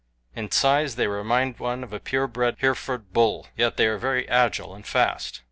In size they remind one of a pure bred Hereford bull, yet they are very agile and fast.